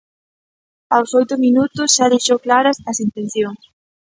Aos oito minutos xa deixou claras as intencións.